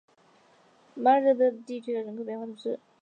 马尔热里德地区圣但尼人口变化图示